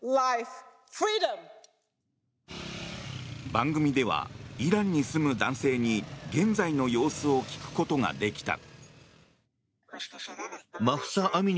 番組では、イランに住む男性に現在の様子を聞くことができた。